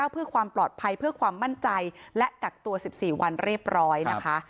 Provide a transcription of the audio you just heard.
เพื่อความปลอดภัยเพื่อความมั่นใจและกักตัว๑๔วันเรียบร้อยนะคะ